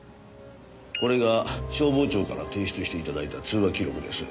これが消防庁から提出して頂いた通話記録です。